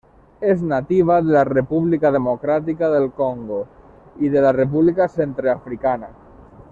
És nativa de la República Democràtica del Congo i de la República Centreafricana.